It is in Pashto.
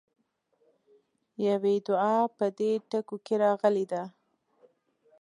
يوې دعا په دې ټکو کې راغلې ده.